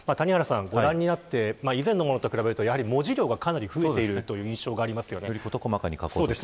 ご覧になって、以前のものと比べると、文字量が増えているという印象があります。